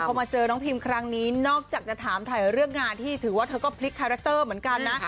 พอมาเจอน้องพิมครั้งนี้นอกจากจะถามถ่ายเรื่องงานที่ถือว่าเธอก็พลิกคาแรคเตอร์เหมือนกันนะ